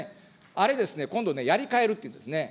あれですね、今度、やりかえるっていうんですね。